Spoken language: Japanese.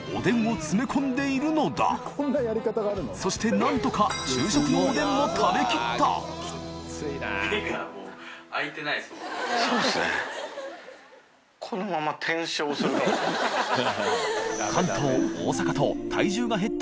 何とか昼食のおでんも食べきった磧